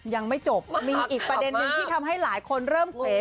ยังไม่จบมีอีกประเด็นนึงที่ทำให้หลายคนเริ่มเผล